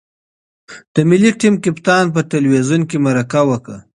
د ملي ټیم کپتان په تلویزیون کې مرکه وکړه.